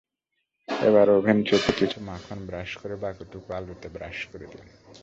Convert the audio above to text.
এবার ওভেন ট্রেতে কিছুটা মাখন ব্রাশ করে বাকিটুকু আলুতে ব্রাশ করে দিন।